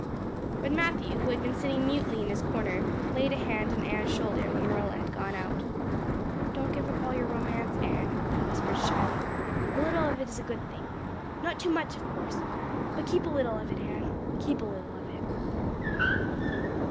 But Matthew, who had been sitting mutely in his corner, laid a hand on Anne's shoulder when Marilla had gone out. "Don't give up all your romance, Anne," he whispered shyly, "a little of it is a good thing not too much, of course but keep a little of it, Anne, keep a little of it."